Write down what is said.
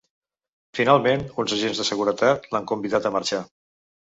Finalment, uns agents de seguretat l’han convidat a marxar.